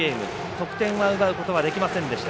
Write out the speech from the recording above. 得点は奪うことはできませんでした。